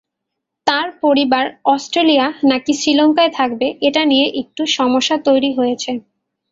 তাঁর পরিবার অস্ট্রেলিয়া নাকি শ্রীলঙ্কায় থাকবে, এটা নিয়ে একটু সমস্যা তৈরি হয়েছে।